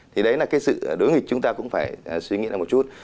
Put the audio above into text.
thì đấy là cái sự đối nghịch chúng ta cũng phải suy nghĩ lại một chút